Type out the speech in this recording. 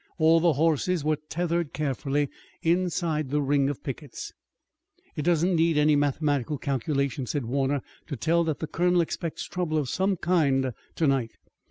All the horses were tethered carefully inside the ring of pickets. "It doesn't need any mathematical calculation," said Warner, "to tell that the colonel expects trouble of some kind tonight.